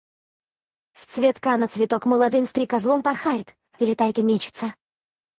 С цветка на цветок молодым стрекозлом порхает, летает и мечется.